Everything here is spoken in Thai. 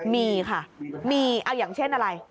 มีค่ะมีเอาอย่างเช่นอะไร